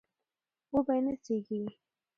وبه يې نڅېږي